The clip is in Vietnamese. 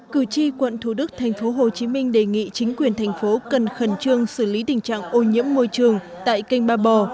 cử tri quận thủ đức tp hcm đề nghị chính quyền thành phố cần khẩn trương xử lý tình trạng ô nhiễm môi trường tại kênh ba bò